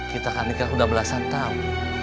kita kan udah belasan tahun